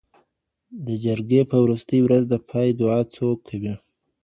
د جرګي په وروستۍ ورځ د پای دعا څوک کوي؟